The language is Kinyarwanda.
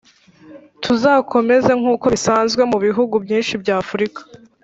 tuzakomeza, nk'uko bisanzwe mu bihugu byinshi by'afurika